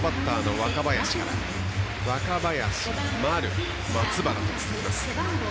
若林、丸、松原と続きます。